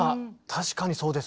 確かにそうですね。